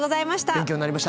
勉強になりました。